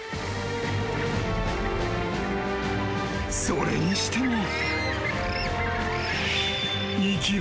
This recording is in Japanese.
［それにしても］